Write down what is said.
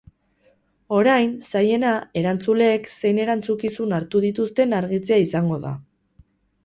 Orain, zailena, erantzuleek zein erantzukizun hartuko dituzten argitzea izango da.